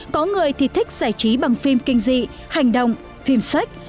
có người thì thích giải trí bằng phim kinh dị hành động phim sách